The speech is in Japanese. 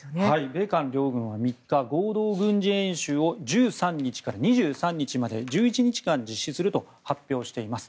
米韓両軍は３日合同軍事演習を１３日から２３日まで１１日間実施すると発表しています。